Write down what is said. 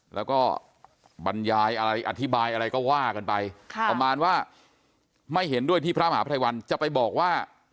แล้วก็บรรยายอะไรอธิบายอะไรก็ว่ากันไปประมาณว่าไม่เห็นด้วยที่พระมหาภัยวันจะไปบอกว่า